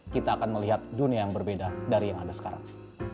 kita akan melihat dunia yang berbeda dari yang ada sekarang